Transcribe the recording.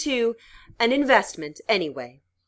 "AN INVESTMENT, ANYWAY."